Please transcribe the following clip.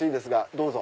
どうぞ。